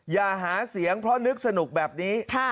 อย่าหาเสียงเพราะนึกสนุกแบบนี้